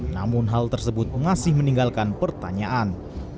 namun hal tersebut masih meninggalkan pertanyaan